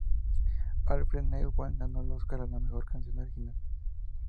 Alfred Newman ganó el Óscar a la mejor canción original.